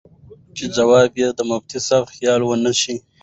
چې جواب ته ئې د مفتي صېب خيال ونۀ شۀ